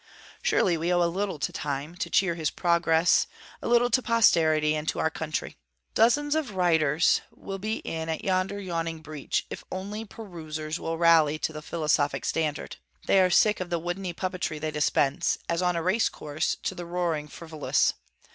Surely we owe a little to Time, to cheer his progress; a little to posterity, and to our country. Dozens of writers will be in at yonder yawning breach, if only perusers will rally to the philosophic standard. They are sick of the woodeny puppetry they dispense, as on a race course to the roaring frivolous.